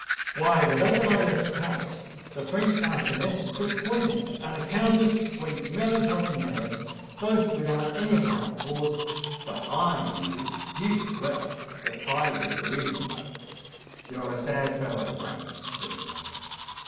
Why, the day that I left Paris, a French Marchioness took poison, and a Countess went melancholy mad—both without any apparent cause: but I knew deuced well what was the reason, though." "You're a sad fellow, Frank," said the lawyer.